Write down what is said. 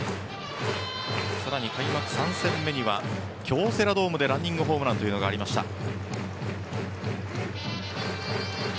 更に開幕３戦目には京セラドームでランニングホームランがありました。